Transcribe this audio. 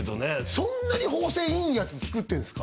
そんなに縫製いいやつ作ってんですか？